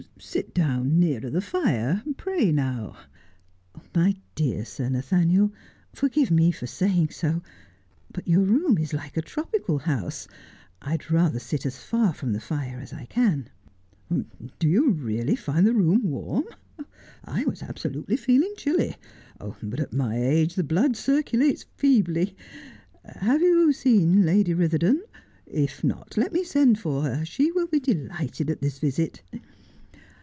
Sit down, nearer the fire, pray now '' My dear Sir Nathaniel, forgive me for saying so, but your room is like a tropical house. I'd rather sit as far from the fire as I can.' ' Do you really find the room warm ] I was absolutely feeling chilly. But at my age the blood circulates feebly. Have you seen Lady Bitherdon 1 If not, let me send for her ; she will be delighted at this visit.'